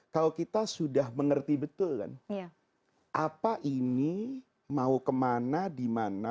kalau kita sudah mengerti betul kan apa ini mau kemana di mana